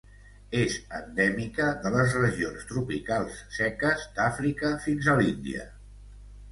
És endèmica de les regions tropicals seques d'Àfrica fins a l'Índia.